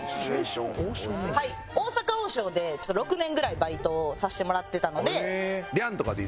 大阪王将で６年ぐらいバイトをさせてもらってたので。